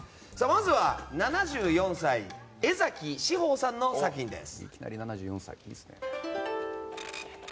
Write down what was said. まずは７４歳、江崎紫峰さんの作品です。